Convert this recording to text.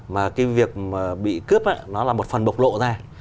mà cái việc mà bị cướp á nó là một phần bộc lộ ra